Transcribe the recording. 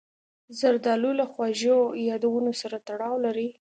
زردالو له خواږو یادونو سره تړاو لري.